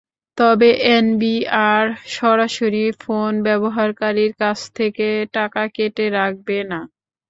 তবে এনবিআর সরাসরি ফোন ব্যবহারকারীর কাছ থেকে টাকা কেটে রাখবে না।